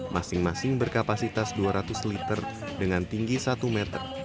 masing masing berkapasitas dua ratus liter dengan tinggi satu meter